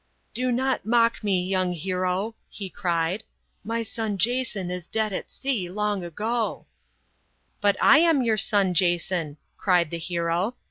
" c Do not mock me, young hero/ he cried. 'My son Jason is dead at sea, long ago/ " c But I am your son Jason/ cried the hero.